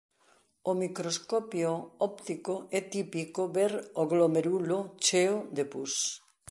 Ao microscopio óptico é típico ver o glomérulo cheo de pus.